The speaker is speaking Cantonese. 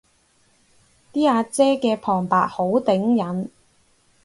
啲阿姐嘅旁白好頂癮